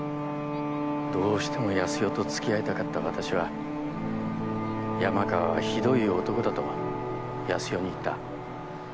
どうしても康代と付き合いたかった私は山川はひどい男だと康代に言った。